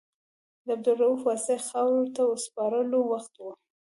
د عبدالرؤف واسعي خاورو ته سپارلو وخت و.